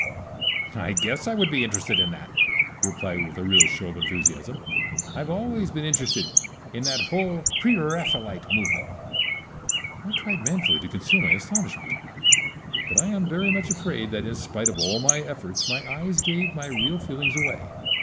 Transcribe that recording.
"I guess I would be interested in that!" he replied with a real show of enthusiasm. "I've always been interested in that whole Preraphaelite movement!" I tried manfully to conceal my astonishment; but I am very much afraid that in spite of all my efforts my eyes gave my real feelings away.